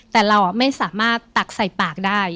แต่เราไม่สามารถตักใส่ปากได้